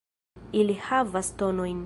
Ili havas tonojn.